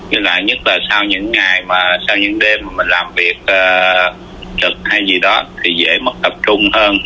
nhưng lại nhất là sau những đêm mình làm việc trực hay gì đó thì dễ mất tập trung hơn